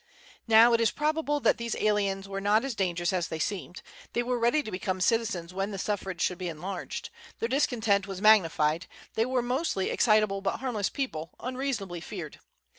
Now it is probable that these aliens were not as dangerous as they seemed; they were ready to become citizens when the suffrage should be enlarged; their discontent was magnified; they were mostly excitable but harmless people, unreasonably feared.